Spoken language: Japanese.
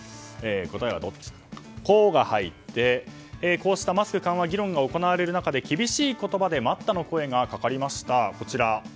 答えはどっち？の「コ」が入ってこうしたマスク緩和議論が行われる中で厳しい言葉で待ったの声がかかりました。